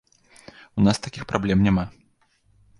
У нас такіх праблем няма.